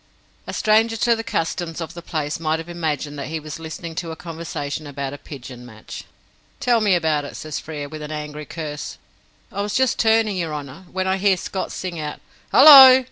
A stranger to the customs of the place might have imagined that he was listening to a conversation about a pigeon match. "Tell me all about it," says Frere, with an angry curse. "I was just turning, your honour, when I hears Scott sing out 'Hullo!'